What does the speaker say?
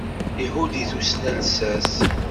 Ihud i tusna lsas.